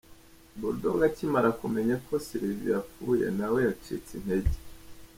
Bull Dogg akimara kumenya ko Sylvie yapfuye, nawe yacitse intege .